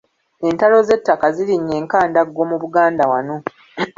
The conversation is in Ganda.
Entalo z’ettaka zirinnye enkandago mu Buganda wano.